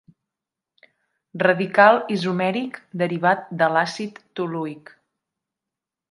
Radical isomèric derivat de l'àcid toluic.